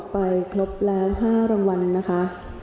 ไปครบแล้ว๕รางวัลนะคะ